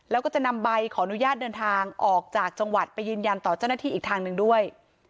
แล้วก็จะนำใบขออนุญาตเดินทางออกจากจังหวัดไปยืนยันต่อเจ้าหน้าที่อีกทางหนึ่งด้วย